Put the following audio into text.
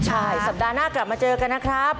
ใช่สัปดาห์หน้ากลับมาเจอกันนะครับ